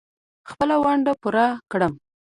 خپله ونډه پوره کړم.